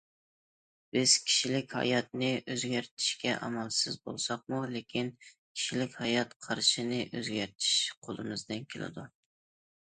بىز كىشىلىك ھاياتنى ئۆزگەرتىشكە ئامالسىز بولساقمۇ، لېكىن كىشىلىك ھايات قارىشىنى ئۆزگەرتىش قولىمىزدىن كېلىدۇ.